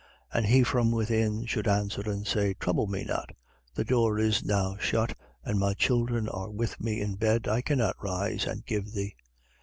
11:7. And he from within should answer and say: Trouble me not; the door is now shut, and my children are with me in bed. I cannot rise and give thee.